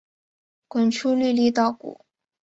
滚出粒粒稻谷